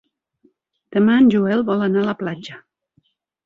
Demà en Joel vol anar a la platja.